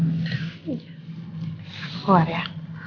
aku keluar ya